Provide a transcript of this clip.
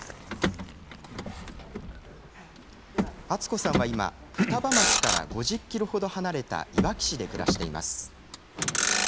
敦子さんは今双葉町から５０ｋｍほど離れたいわき市で暮らしています。